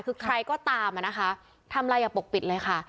คือใครก็ตามอะนะคะทำอะไรอย่าปกปิดเลยค่ะ